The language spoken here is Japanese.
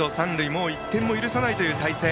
もう１点も許さないという態勢。